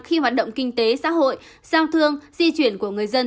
khi hoạt động kinh tế xã hội giao thương di chuyển của người dân